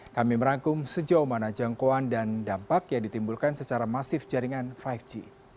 kami merangkum sejauh mana jangkauan dan dampak yang ditimbulkan secara masif jaringan lima g